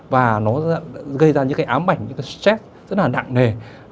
và nó gây ra những cái ám ảnh những cái stress rất là nặng nề